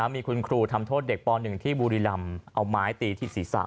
มีคุณครูทำโทษเด็กป๑ที่บุรีรำเอาไม้ตีที่ศีรษะ